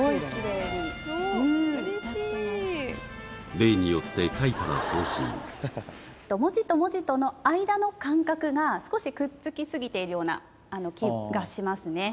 例によって文字と文字との間の間隔が少しくっつきすぎているような気がしますね。